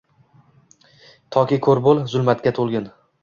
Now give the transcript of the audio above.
Toki ko’r bo’l — zulmatga to’lgin